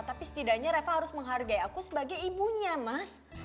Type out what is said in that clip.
tapi setidaknya reva harus menghargai aku sebagai ibunya mas